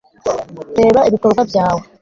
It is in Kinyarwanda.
reba ibikorwa byawe